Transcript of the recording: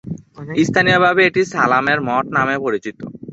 স্থানীয়ভাবে এটি সালামের মঠ নামেও পরিচিত।